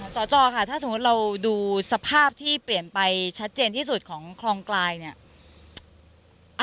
สจค่ะถ้าสมมุติเราดูสภาพที่เปลี่ยนไปชัดเจนที่สุดของคลองกลายเนี่ย